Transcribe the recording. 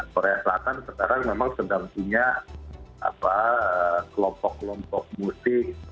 korea selatan sekarang memang sedang punya kelompok kelompok musik